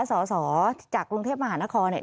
สอสอจากกรุงเทพมหานครเนี่ย